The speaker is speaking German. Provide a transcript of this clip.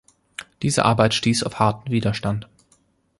Diese Arbeit stieß auf harten Widerstand.